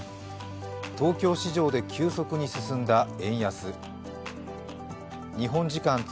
東京市場で急速に進んだ円安。